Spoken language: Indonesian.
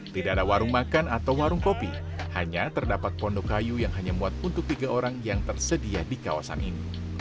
tidak ada warung makan atau warung kopi hanya terdapat pondok kayu yang hanya muat untuk tiga orang yang tersedia di kawasan ini